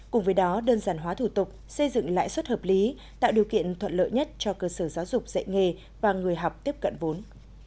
cùng với đó đơn giản hóa thủ tục xây dựng lãi suất hợp lý tạo điều kiện thuận lợi nhất cho cơ sở giáo dục dạy nghề và người học tiếp cận vốn